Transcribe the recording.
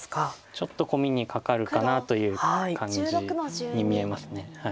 ちょっとコミにかかるかなという感じに見えます。